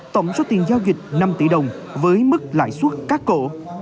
tổng số tiền giao dịch năm tỷ đồng với mức lãi suất cắt cổ